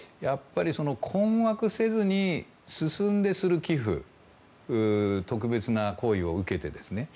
困惑せずに進んでする寄付特別な行為を受けてですね。